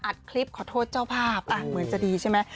คลิปขอโทษเจ้าภาพเหมือนจะดีใช่ไหม